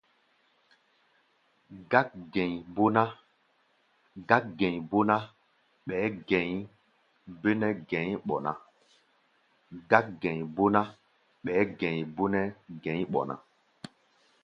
Gák-gɛ̧i̧ bé ná, ɓɛɛ́ gɛ̧i̧ bé nɛ́ gɛ̧i̧ ɓɔ ná.